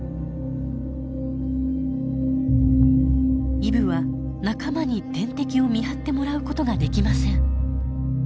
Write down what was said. イブは仲間に天敵を見張ってもらうことができません。